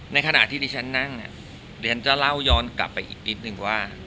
ในขณะที่ดิฉันนั่งเรียนจะเล่าย้อนกลับไปอีกนิดนึงว่า